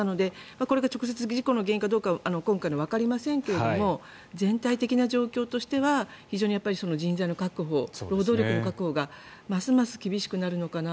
これが直接事故の原因か今回ではわかりませんが全体的な状況としては非常に人材の確保労働力の確保がますます厳しくなるのかな。